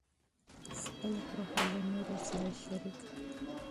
خپله پوهه له نورو سره شریک کړئ.